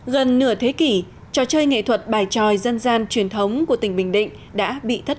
gần nửa thế kỷ trò chơi nghệ thuật bài tròi dân gian truyền thống của tỉnh bình định đã bị thất